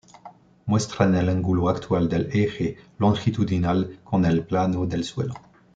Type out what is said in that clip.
Muestran el ángulo actual del eje longitudinal con el plano del suelo.